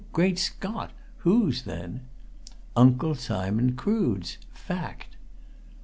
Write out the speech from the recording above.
Great Scott! Whose, then?" "Uncle Simon Crood's! Fact!"